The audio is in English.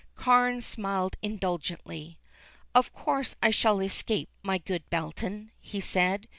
Carne smiled indulgently. "Of course I shall escape, my good Belton," he said.